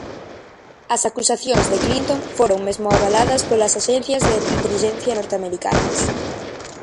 As acusacións de Clinton foron mesmo avaladas polas axencias de intelixencia norteamericanas.